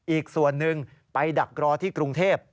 อีกส่วนหนึ่งไปดักรอที่กรุงเทพ